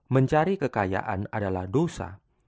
mencari kekayaan adalah dosa